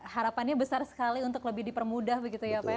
harapannya besar sekali untuk lebih dipermudah begitu ya pak ya